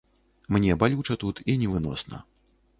Мне балюча тут і невыносна.